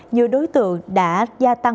nhiều đối tượng đã gia tăng